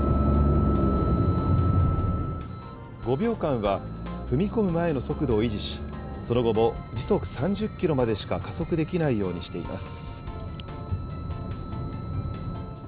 ５秒間は踏み込む前の速度を維持し、その後も時速３０キロまでしか加速できないようにしています。